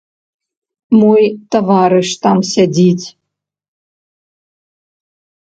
Мой таварыш там сядзіць.